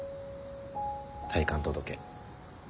退官届。